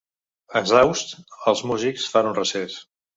Exhausts, els músics fan un recés.